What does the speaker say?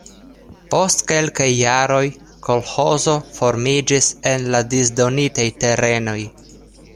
Post kelkaj jaroj kolĥozo formiĝis en la disdonitaj terenoj.